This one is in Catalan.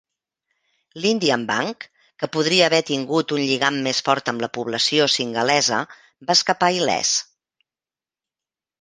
L'Indian Bank, que podria haver tingut un lligam més fort amb la població singalesa, va escapar il·lès.